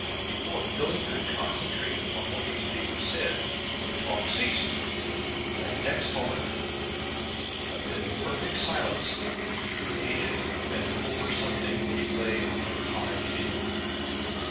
Before Billie could concentrate upon what was being said the talk ceased; and next moment, amid perfect silence, the agent bent over something which lay on a high table.